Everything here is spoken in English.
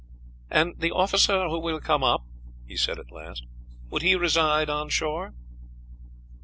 "And the officer who will come up," he said at last, "would he reside on shore?"